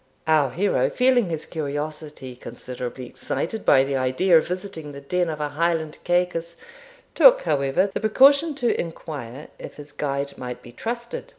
Our hero, feeling his curiosity considerably excited by the idea of visiting the den of a Highland Cacus, took, however, the precaution to inquire if his guide might be trusted.